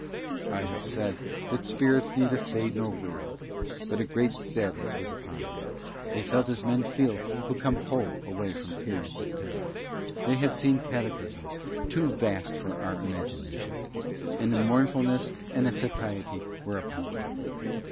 I have said that spirits neither fade nor weary. But a great sadness was on them; they felt as men feel who come whole away from periods of peril. They had seen cataclysms too vast for our imagination, and a mournfulness and a satiety were upon them.